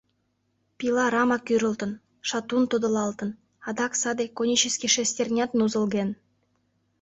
Пила рама кӱрылтын, шатун тодылалтын, адак саде конический шестернят нузылген.